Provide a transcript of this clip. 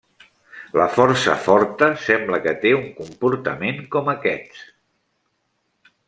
La força forta sembla que té un comportament com aquests.